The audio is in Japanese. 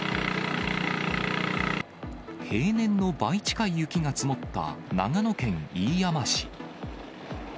平年の倍近い雪が積もった長野県飯山市。